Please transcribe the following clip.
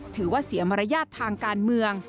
ถือว่าเสียมารยาททางการเมือง